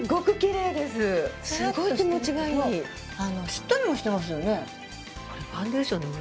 しっとりもしてますよね。